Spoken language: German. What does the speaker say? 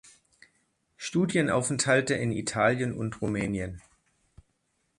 Studienaufenthalte in Italien und Rumänien.